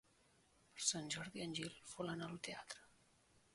Per Sant Jordi en Gil vol anar al teatre.